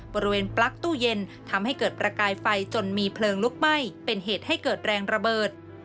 ปลั๊กตู้เย็นทำให้เกิดประกายไฟจนมีเพลิงลุกไหม้เป็นเหตุให้เกิดแรงระเบิด